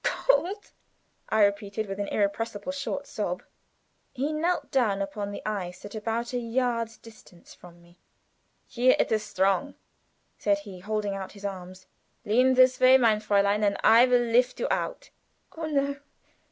"Cold!" I repeated, with an irrepressible short sob. He knelt down upon the ice at about a yard's distance from me. "Here it is strong," said he, holding out his arms. "Lean this way, mein Fräulein, and I will lift you out." "Oh, no!